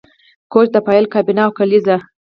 کوچ د فایل کابینه او کلیزه